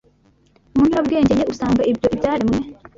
mu nyurabwenge ye usanga ibyo ibyaremwe